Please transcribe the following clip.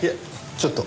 ちょっと。